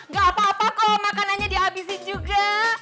gak apa apa kalau makanannya dihabisin juga